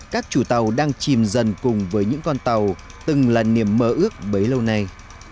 các chủ tàu đang chìm dần cùng với những con tàu từng là niềm mơ ước bấy lâu nay